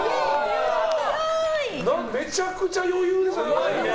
めちゃくちゃ余裕でしたね。